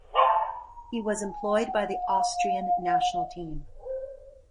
He was employed by the Austrian national team.